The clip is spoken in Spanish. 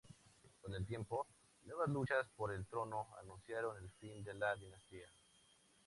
Con el tiempo, nuevas luchas por el trono anunciaron el fin de la dinastía.